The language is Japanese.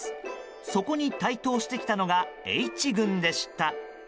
そこに台頭してきたのがＨ群でした。